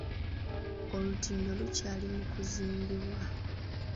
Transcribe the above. Olutindo lukyali mu kuzimbibwa.